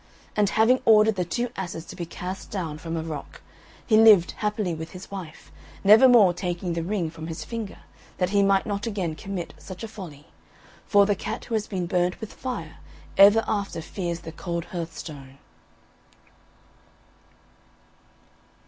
And, having ordered the two asses to be cast down from a rock, he lived happily with his wife, never more taking the ring from his finger that he might not again commit such a folly, for "The cat who has been burnt with fire ever after fears the cold hearthstone."